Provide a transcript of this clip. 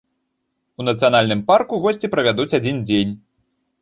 У нацыянальным парку госці правядуць адзін дзень.